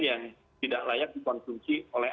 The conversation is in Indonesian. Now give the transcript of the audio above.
yang tidak layak dikonsumsi oleh